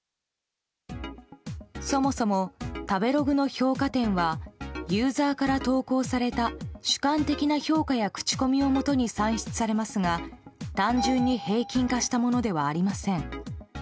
そもそも食べログの評価点はユーザーから投稿された主観的な評価や口コミをもとに算出されますが単純に平均化したものではありません。